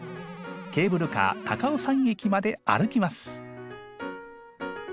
ケーブルカー高尾山駅まで歩きます。